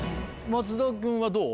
松田君はどう？